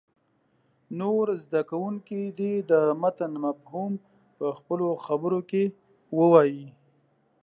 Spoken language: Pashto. نور زده کوونکي دې د متن مفهوم په خپلو خبرو کې ووایي.